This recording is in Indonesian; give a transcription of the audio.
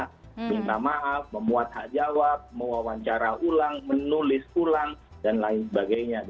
minta maaf memuat hak jawab mewawancara ulang menulis ulang dan lain sebagainya